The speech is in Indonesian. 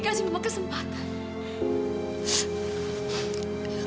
kasih mama kesempatan